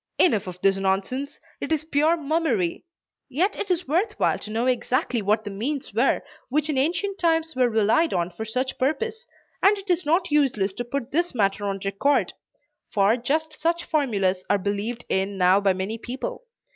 Enough of this nonsense. It is pure mummery. Yet it is worth while to know exactly what the means were which in ancient times were relied on for such purposes, and it is not useless to put this matter on record; for just such formulas are believed in now by many people.